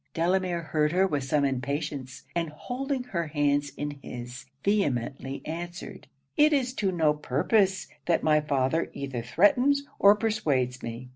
Delamere heard her with some impatience; and holding her hands in his, vehemently answered 'It is to no purpose that my father either threatens or persuades me.